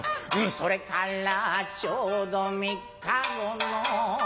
それからちょうど３日後の